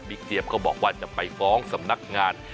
เจี๊ยบก็บอกว่าจะไปฟ้องสำนักงาน